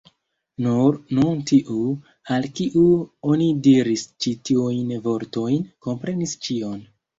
Nur nun tiu, al kiu oni diris ĉi tiujn vortojn, komprenis ĉion.